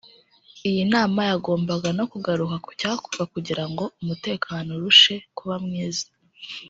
Iyi nama yagombaga no kugaruka ku cyakorwa kugira ngo umutekano urushe kuba mwiza